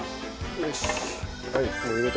よし。